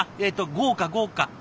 豪華豪華。